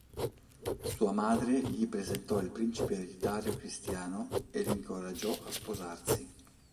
Sua madre gli presentò il principe ereditario Cristiano e li incoraggiò a sposarsi.